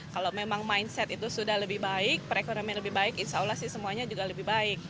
kalau memang mindset itu sudah lebih baik perekonomian lebih baik insya allah sih semuanya juga lebih baik